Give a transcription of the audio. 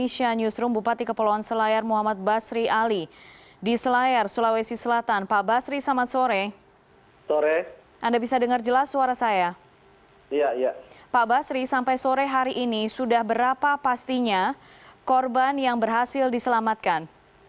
pak basri sampai sore hari ini sudah berapa pastinya korban yang berhasil diselamatkan